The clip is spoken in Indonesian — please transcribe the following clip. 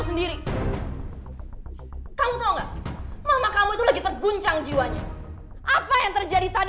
sendiri kamu tahu enggak mama kamu itu lagi terguncang jiwanya apa yang terjadi tadi